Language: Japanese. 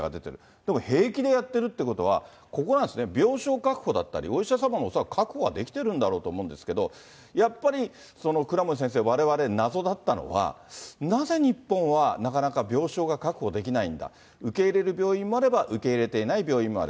でも平気でやってるってことは、ここなんですね、病床確保だったり、お医者様も恐らく確保はできてるんだろうと思うんですけれども、やっぱり倉持先生、われわれ謎だったのは、なぜ日本はなかなか病床が確保できないんだ、受け入れる病院もあれば、受け入れていない病院もある。